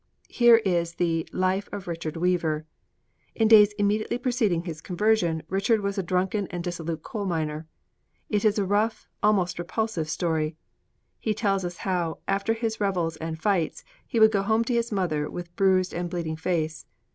Here is the Life of Richard Weaver. In the days immediately preceding his conversion, Richard was a drunken and dissolute coal miner. It is a rough, almost repulsive, story. He tells us how, after his revels and fights, he would go home to his mother with bruised and bleeding face.